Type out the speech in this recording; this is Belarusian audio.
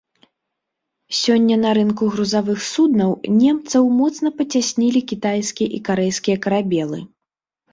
Сёння на рынку грузавых суднаў немцаў моцна пацяснілі кітайскія і карэйскія карабелы.